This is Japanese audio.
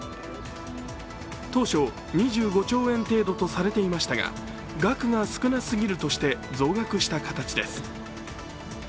当初、２５兆円程度とされていましたが額が少なすぎるとして増額した形です。